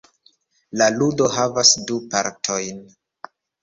La ludo havas du partojn.